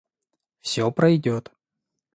Все пройдет.